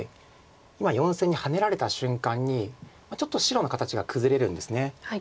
今４線にハネられた瞬間にちょっと白の形が崩れるんです。